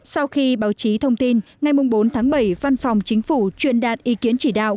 sau khi báo chí thông tin ngày bốn tháng bảy văn phòng chính phủ truyền đạt ý kiến chỉ đạo